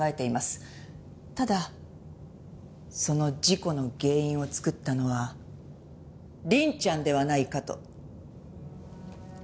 ただその事故の原因を作ったのは凛ちゃんではないかと。